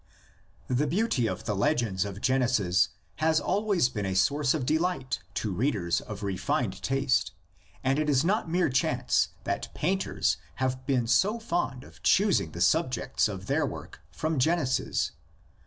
THE beauty of the legends of Genesis has always been a source of delight to readers of refined taste and it is not mere chance that painters have been so fond of choosing the subjects of their works from Genesis.